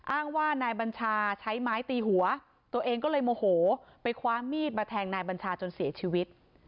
อ้างว่านายบัญชาใช้ไม้ตีหัวตัวเองก็เลยโมโหไปคว้ามีดมาแทงนายบัญชาจนเสียชีวิต